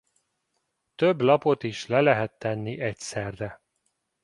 Több lapot is le lehet tenni egyszerre.